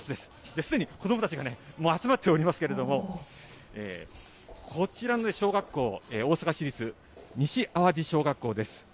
すでに子どもたちが集まっておりますけれども、こちらの小学校、大阪市立西淡路小学校です。